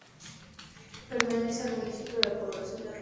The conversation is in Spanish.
Pertenece al municipio de Población de Arroyo.